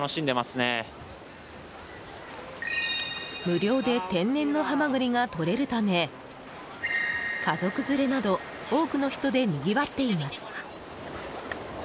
無料で天然のハマグリがとれるため家族連れなど、多くの人でにぎわっています。